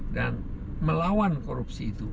dan melawan korupsi itu